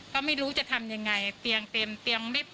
ก็ไม่รู้จะทำยังไงเตียงเต็มเตียงไม่พอ